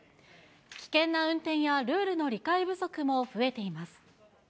危険な運転やルールの理解不足も増えています。